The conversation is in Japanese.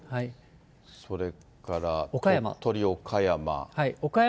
それから鳥取、岡山。